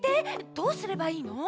どうすればいいの？